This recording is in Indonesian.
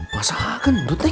masa gendut nih